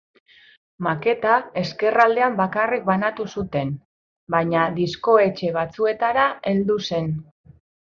Maketa Ezkerraldean bakarrik banatu zuten, baina diskoetxe batzuetara heldu zen.